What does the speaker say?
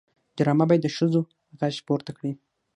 ډرامه باید د ښځو غږ پورته کړي